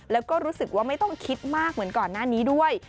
แล้วก็รู้สึกว่าไม่ต้องคิดมากเหมือนก่อนหน้านี้ด้วย